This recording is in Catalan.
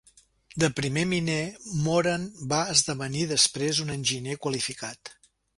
De primer miner, Moran va esdevenir després un enginyer qualificat.